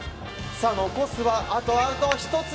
残すは、あとアウト１つ。